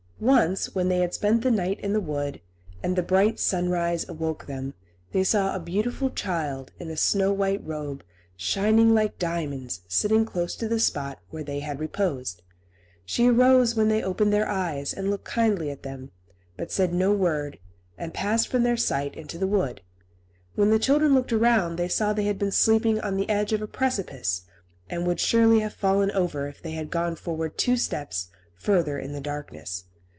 Once, when they had spent the night in the wood, and the bright sunrise awoke them, they saw a beautiful child, in a snow white robe, shining like diamonds, sitting close to the spot where they had reposed. She arose when they opened their eyes, and looked kindly at them; but said no word, and passed from their sight into the wood. When the children looked around they saw they had been sleeping on the edge of a precipice, and would surely have fallen over if they had gone forward two steps further in the darkness.